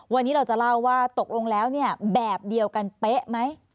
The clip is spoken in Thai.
วันนี้เราจะเล่าว่าตกลงแล้วเนี่ยแบบเดียวกันเป๊ะไหม